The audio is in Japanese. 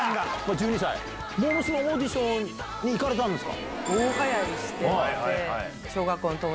「モー娘。」のオーディションに行かれたんですか？